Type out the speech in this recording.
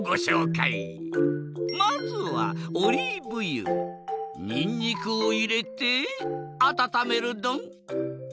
まずはオリーブ油にんにくをいれてあたためるドン。